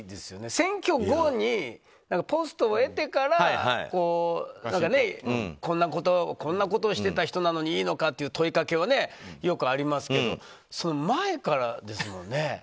選挙後に、ポストを得てからこんなことをしてた人なのにいいのかという問いかけは、よくありますけど前からですもんね。